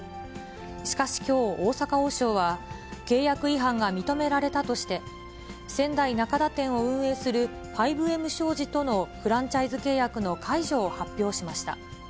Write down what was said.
しかし、きょう、大阪王将は、契約違反が認められたとして、仙台中田店を運営するファイブエム商事とのフランチャイズ契約の解除を発表しました。